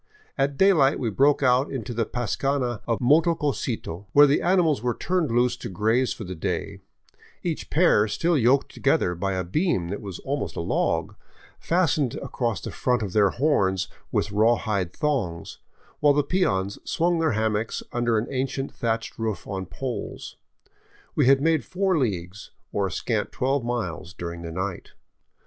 At daylight we broke out into the pascana of Motococito, where the ani mals were turned loose to graze for the day, each pair still yoked to gether by a beam that was almost a log, fastened across the front of their horns with rawhide thongs, while the peons swung their ham mocks under an ancient thatched roof on poles. We had made four leagues, or a scant twelve miles, during the night.